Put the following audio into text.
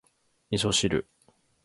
味噌汁